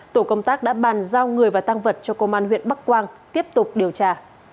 tổ công tác đã bàn giao người và tăng vật cho công an huyện bắc quang tiếp tục điều tra